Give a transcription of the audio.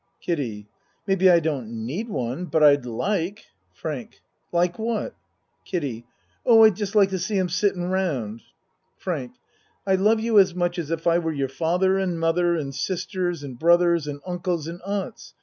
KIDDIE Maybe I don't need one but I'd like FRANK Like what? KIDDIE Oh, I'd just like to see him sittin' round. FRANK I love you as much as if I were your father and mother and sisters and brothers and uncles and aunts.